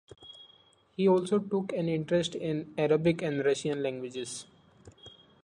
He also took an interest in Arabic and Russian languages.